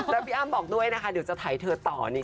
แล้วพี่อ้ำบอกด้วยนะคะเดี๋ยวจะถ่ายเธอต่อนี่ค่ะ